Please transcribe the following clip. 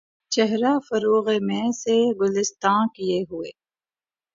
چہرہ فروغِ مے سے گُلستاں کئے ہوئے